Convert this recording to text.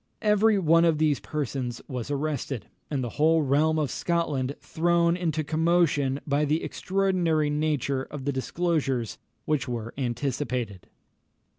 Every one of these persons was arrested, and the whole realm of Scotland thrown into commotion by the extraordinary nature of the disclosures which were anticipated.